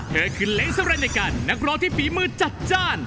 เธอคือเล้งสำหรับในการนักร้องที่ฝีมือจัดจ้าน